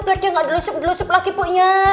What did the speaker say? biar dia gak di lesup delesup lagi bu ya